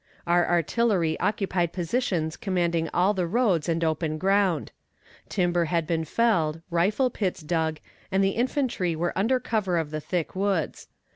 Our artillery occupied positions commanding all the roads and open ground. Timber had been felled, rifle pits dug, and the infantry were under cover of the thick woods.